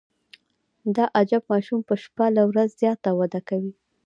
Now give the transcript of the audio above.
دا عجیب ماشوم په شپه له ورځ زیاته وده کوي.